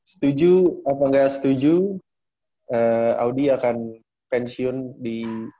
setuju apa gak setuju